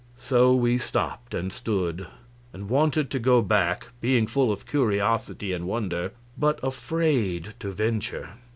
So we stopped and stood, and wanted to go back, being full of curiosity and wonder, but afraid to venture.